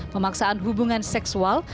pemaksaan hubungan seksual